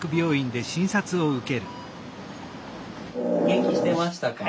元気してましたか？